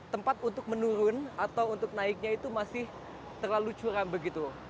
tempat untuk menurun atau untuk naiknya itu masih terlalu curam begitu